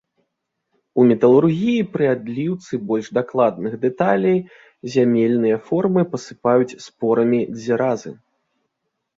У металургіі пры адліўцы больш дакладных дэталей зямельныя формы пасыпаюць спорамі дзеразы.